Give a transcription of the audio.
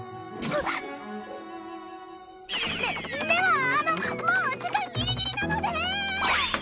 でではあのもう時間ギリギリなので！